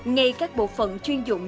ngay các bộ phận chuyên dụng